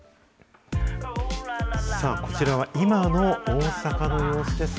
さあ、こちらは今の大阪の様子です。